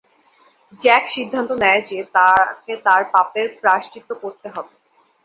Jack সিদ্ধান্ত নেয় যে তাকে তার পাপের প্রায়শ্চিত্ত করতে হবে।